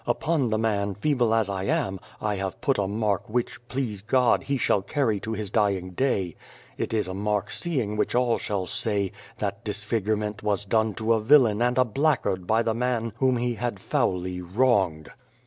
Upon the man, feeble as I am, I have put a mark which, please God, he shall carry to his dying day. It is a mark seeing which all shall say, " That disfigurement was done to a villain and a blackguard by. the man whom he had foully wronged."